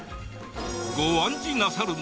ご案じなさるな。